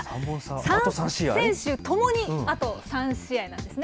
３選手ともにあと３試合なんですね。